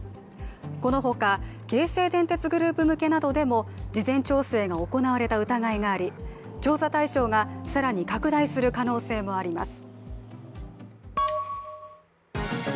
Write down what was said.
このほか、京成電鉄グループ向けなどでも事前調整が行われた疑いがあり調査対象が更に拡大する可能性もあります。